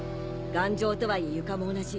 頑丈とはいえ床も同じ。